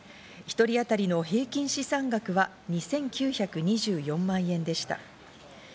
１人当たりの平均資産額は２９２４万円でした。